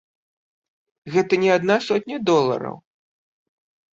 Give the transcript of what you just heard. Гэта не адна сотня долараў.